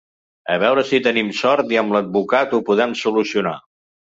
A veure si tenim sort i amb l’advocat ho podem solucionar.